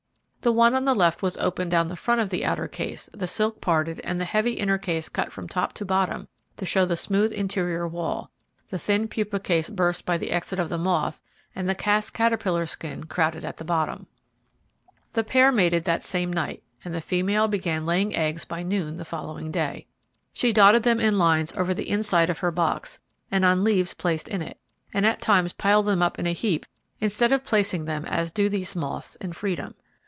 The one on the left was opened down the front of the outer case, the silk parted and the heavy inner case cut from top to bottom to show the smooth interior wall, the thin pupa case burst by the exit of the moth, and the cast caterpillar skin crowded at the bottom. The pair mated that same night, and the female began laying eggs by noon the following day. She dotted them in lines over the inside of her box, and on leaves placed in it, and at times piled them in a heap instead of placing them as do these moths in freedom.